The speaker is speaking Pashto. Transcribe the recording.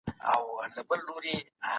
همدا مو تګلاره ده.